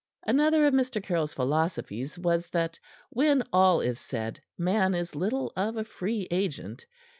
Another of Mr. Caryll's philosophies was that, when all is said, man is little of a free agent.